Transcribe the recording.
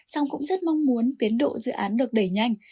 song cũng rất mong muốn tiến độ dự án được đẩy nhanh